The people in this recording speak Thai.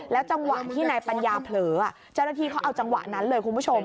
จังหวะที่นายปัญญาเผลอเจ้าหน้าที่เขาเอาจังหวะนั้นเลยคุณผู้ชม